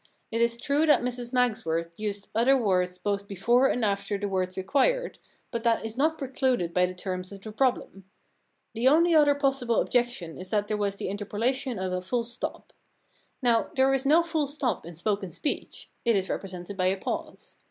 It is true that Mrs Magsworth used other words both i8 The Giraffe Problem before and after the words required, but that is not precluded by the terms of the problem. The only other possible objection is that there was the interpolation of a full stop. Now, there is no full stop in spoken speech : it is represented by a pause.